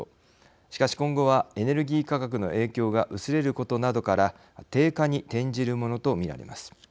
しかし、今後はエネルギー価格の影響が薄れることなどから低下に転じるものと見られます。